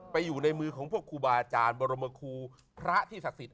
อยู่ในมือของพวกครูบาอาจารย์บรมครูพระที่ศักดิ์สิทธิ